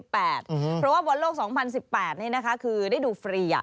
เพราะว่าบอลโลก๒๐๑๘นี่นะคะคือได้ดูฟรี